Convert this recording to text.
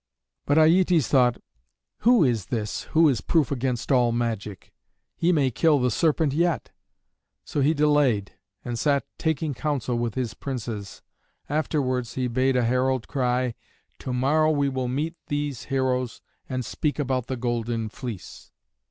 But Aietes thought, "Who is this, who is proof against all magic? He may kill the serpent yet!" So he delayed, and sat taking counsel with his princes. Afterwards he bade a herald cry, "To morrow we will meet these heroes and speak about the Golden Fleece!"